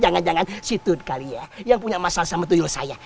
jangan jangan situ kali ya yang punya masalah sama tuyu saya